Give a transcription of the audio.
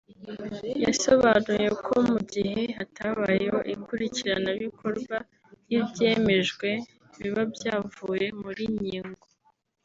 yasobanuye ko mu gihe hatabayeho ikurikiranabikorwa ry’ibyemejwe biba byavuye muri nyigo